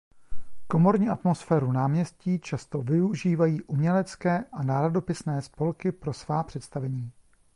Komorní atmosféru náměstí často využívají umělecké a národopisné spolky pro svá představení.